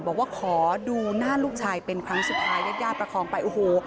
บอกว่าขอดูหน้าลูกชายเป็นครั้งสุดท้ายญาติญาติประคองไปโอ้โห